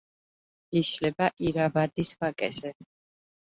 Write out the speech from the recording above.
იშლება ირავადის ვაკეზე.